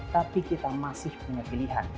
tapi kita masih punya pilihan